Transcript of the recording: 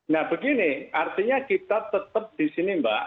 nah begini artinya kita tetap di sini mbak